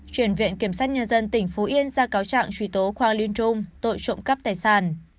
truyền viện kiểm soát nhân dân tỉnh phú yên ra cáo trạng truy tố quang linh trung tội trộm cắp tài sản